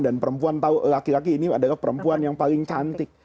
dan perempuan tahu laki laki ini adalah perempuan yang paling cantik